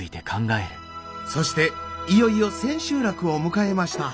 そしていよいよ千秋楽を迎えました。